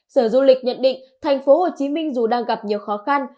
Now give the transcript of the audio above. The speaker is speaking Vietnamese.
sở du lịch nhận định thành phố hồ chí minh dù đang gặp nhiều khó khăn